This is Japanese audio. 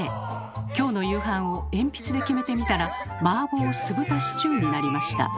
今日の夕飯を鉛筆で決めてみたら「マーボー酢豚シチュー」になりました。